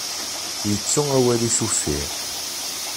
Yettu awal-is uffir.